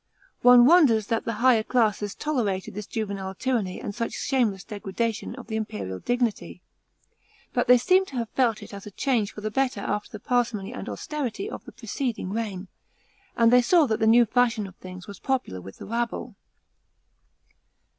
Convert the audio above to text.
One wonders that the higher classes tolerated this juvenile tyranny and such shameless degradation of the imperial dignity ; but they seem to have felt it as a change for the better after the parsimony and austerity of the preceding reign, and they saw that the new fashion of things was popular with the rabble.